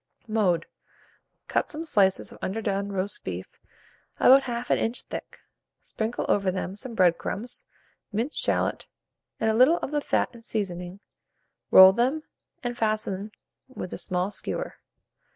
Mode. Cut some slices of underdone roast beef about half an inch thick; sprinkle over them some bread crumbs, minced shalot, and a little of the fat and seasoning; roll them, and fasten with a small skewer.